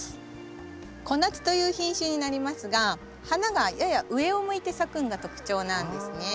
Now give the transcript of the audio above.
小夏という品種になりますが花がやや上を向いて咲くのが特徴なんですね。